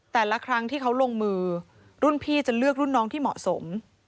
แต่ละครั้งที่เขาลงมือรุ่นพี่จะเลือกรุ่นน้องที่เหมาะสม